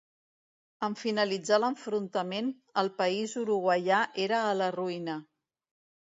En finalitzar l'enfrontament, el país uruguaià era a la ruïna.